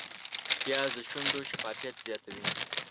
پیاز د شونډو شفافیت زیاتوي